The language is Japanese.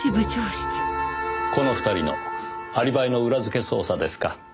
この２人のアリバイの裏づけ捜査ですか。